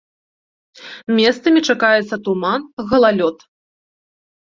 Месцамі чакаецца туман, галалёд.